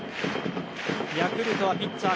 ヤクルトはピッチャー